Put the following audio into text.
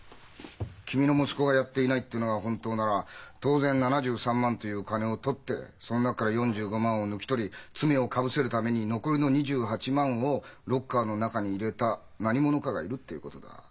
君の息子がやっていないというのが本当なら当然７３万という金を盗ってその中から４５万を抜き取り罪をかぶせるために残りの２８万をロッカーの中に入れた何者かがいるっていうことだ。